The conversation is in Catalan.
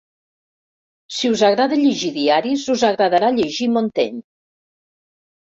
Si us agrada llegir diaris us agradarà llegir Montaigne.